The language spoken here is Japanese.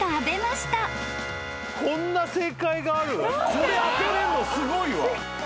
これ当てられるのすごいわ。